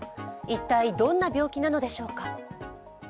一体どんな病気なのでしょうか。